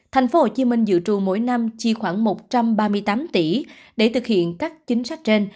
thành phố hồ chí minh dự trù mỗi năm chi khoảng một trăm ba mươi tám tỷ để thực hiện các chính sách trên